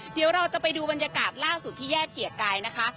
เดี๋ยวเราจะไปดูบรรยากาศล่าสุดที่แยกเกียรติกายนะคะ